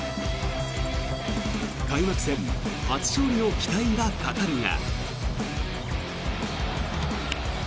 開幕戦初勝利の期待がかかるが。